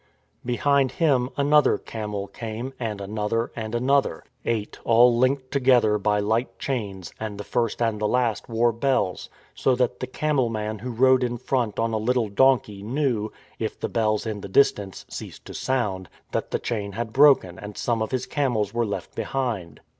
Behind him another camel came, and another and another — eight all linked together by light chains, and the first and the last wore bells; so that the camelman who rode in front on a little donkey knew — if the bells in the distance ceased to sound — that the chain had broken and some of his camels were left behind.